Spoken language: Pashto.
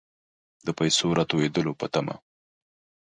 د پیسو راتوېدلو په طمع.